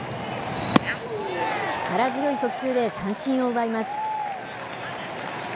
力強い速球で三振を奪います。